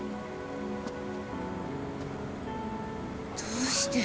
どうして。